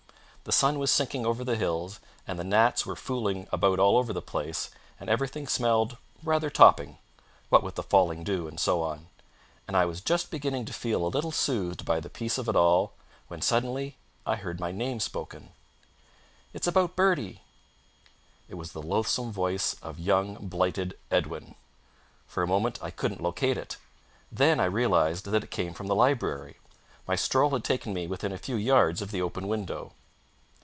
The sun was sinking over the hills and the gnats were fooling about all over the place, and everything smelled rather topping what with the falling dew and so on and I was just beginning to feel a little soothed by the peace of it all when suddenly I heard my name spoken. "It's about Bertie." It was the loathsome voice of young blighted Edwin! For a moment I couldn't locate it. Then I realised that it came from the library. My stroll had taken me within a few yards of the open window.